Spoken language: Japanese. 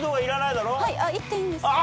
いっていいんですか？